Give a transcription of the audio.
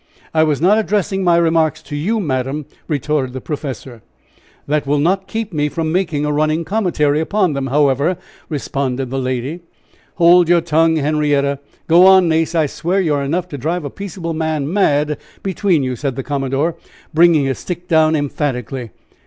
"I was not addressing my remarks to you, madam," retorted the professor. "That will not keep me from making a running commentary upon them, however," responded the lady. "Hold your tongue, Henrietta. Go on, Nace. I swear you are enough to drive a peaceable man mad between you," said the commodore, bringing his stick down emphatically.